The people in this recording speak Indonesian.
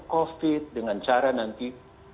covid dengan cara nanti